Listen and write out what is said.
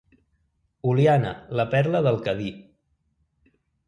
Oliana, la perla del Cadí.